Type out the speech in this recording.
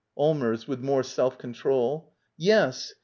Allmers. [With more self control.] Yes.